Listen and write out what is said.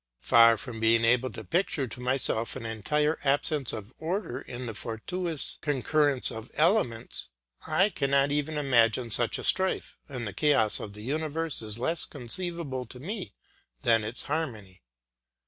Far from being able to picture to myself an entire absence of order in the fortuitous concurrence of elements, I cannot even imagine such a strife, and the chaos of the universe is less conceivable to me than its harmony.